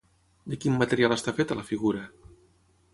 De quin material està feta la figura?